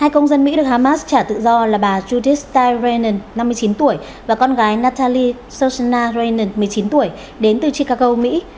hai công dân mỹ được hamas trả tự do là bà judith steyer reynon năm mươi chín tuổi và con gái natalie soshana reynon một mươi chín tuổi đến từ chicago mỹ